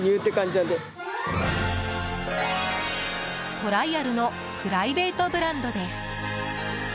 トライアルのプライベートブランドです。